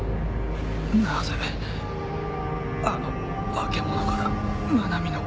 なぜあの化け物から愛美の声が。